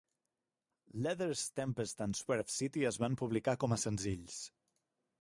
Leathers, Tempest and Swerve City es van publicar com a senzills.